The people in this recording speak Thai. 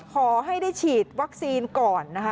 ขอให้ได้ฉีดวัคซีนก่อนนะคะ